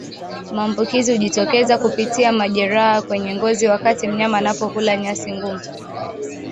Maambukizi hujitokeza kupitia majeraha kwenye ngozi wakati mnyama anapokula nyasi ngumu